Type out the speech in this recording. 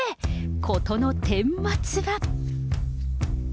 事の顛末は。